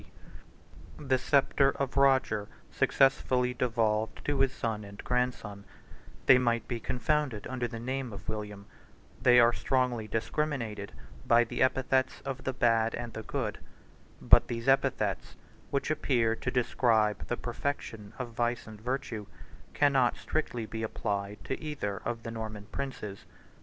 ] The sceptre of Roger successively devolved to his son and grandson: they might be confounded under the name of William: they are strongly discriminated by the epithets of the bad and the good; but these epithets, which appear to describe the perfection of vice and virtue, cannot strictly be applied to either of the Norman princes.